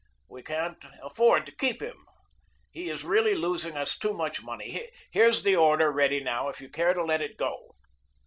We can't afford to keep him. He is really losing us too much money. Here's the order ready now, if you care to let it go."